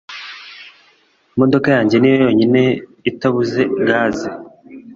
imodoka yanjye niyo yonyine itabuze gaze